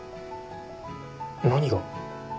何が？